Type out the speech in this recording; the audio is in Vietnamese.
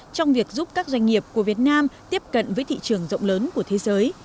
trong việc giúp các doanh nghiệp của việt nam tiếp cận với thị trường rộng lớn của thế giới